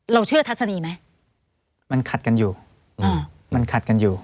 เราเชื่อทัศนีไหมมันขัดกันอยู่